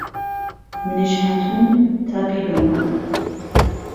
منیش هاتووم تا بیبهمهوه